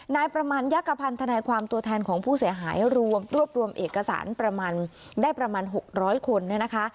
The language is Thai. นายประมาณยักษ์กระพันธนาความตัวแทนของผู้เสียหายรวมรวบรวมเอกสารได้ประมาณ๖๐๐คน